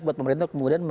buat pemerintah kemudian